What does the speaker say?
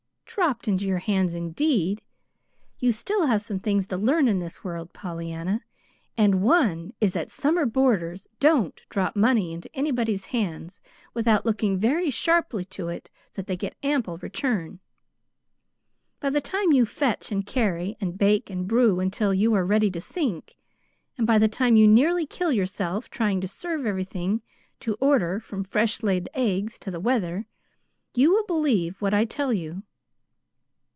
"Dropped into your hands, indeed! You still have some things to learn in this world, Pollyanna, and one is that summer boarders don't drop money into anybody's hands without looking very sharply to it that they get ample return. By the time you fetch and carry and bake and brew until you are ready to sink, and by the time you nearly kill yourself trying to serve everything to order from fresh laid eggs to the weather, you will believe what I tell you."